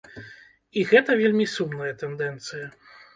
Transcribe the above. І гэта вельмі сумная тэндэнцыя.